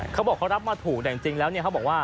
เขาบอกเขารับมาถูกแต่จริงแล้วเนี่ยเขาบอกว่า